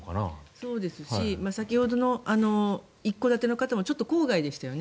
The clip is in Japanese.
そうですし先ほどの一戸建ての方も郊外でしたよね。